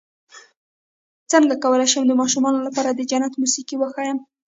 څنګه کولی شم د ماشومانو لپاره د جنت موسيقي وښایم